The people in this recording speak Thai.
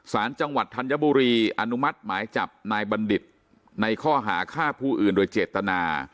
สารจังหวัดธัญบุรีอนุมัติหมายจับนายบัณฑิตในข้อหาฆ่าผู้อื่นโดยเจตนา